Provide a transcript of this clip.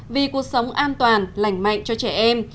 vì cuộc sống an toàn lành mạnh cho trẻ em